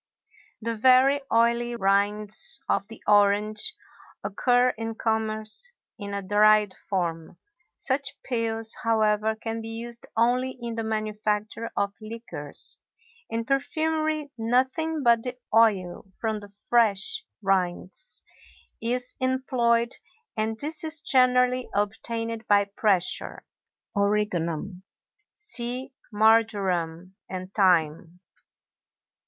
The very oily rinds of the orange occur in commerce in a dried form; such peels, however, can be used only in the manufacture of liqueurs; in perfumery nothing but the oil from the fresh rinds is employed, and this is generally obtained by pressure. ORIGANUM. See Marjoram, and Thyme.